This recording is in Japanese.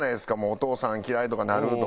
お父さん嫌い！とかなるとか。